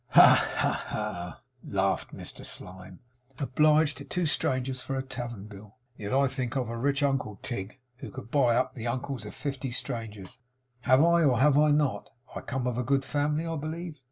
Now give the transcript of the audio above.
'Ha, ha, ha,' laughed Mr Slyme. 'Obliged to two strangers for a tavern bill! Yet I think I've a rich uncle, Tigg, who could buy up the uncles of fifty strangers! Have I, or have I not? I come of a good family, I believe!